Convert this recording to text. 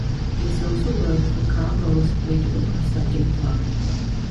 He has also worked for Karl Rove's political consulting firm.